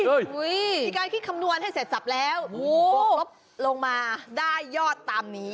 มีการคิดคำนวณให้เสร็จสับแล้วบวกลบลงมาได้ยอดตามนี้